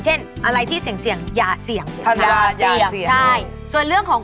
เช่นอะไรที่เสี่ยงอย่าเสี่ยง